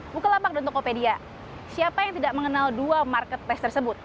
bukalapak dan tokopedia siapa yang tidak mengenal dua marketplace tersebut